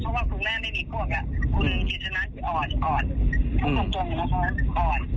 เพราะว่าคุณแม่ไม่มีพวกอ่ะคุณจิตน้ำอ่อนพวกมันจงนะครับอ่อน